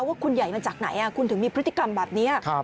ว่าคุณใหญ่มาจากไหนคุณถึงมีพฤติกรรมแบบนี้